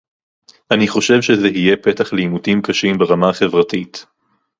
אני חושב שזה יהיה פתח לעימותים קשים ברמה החברתית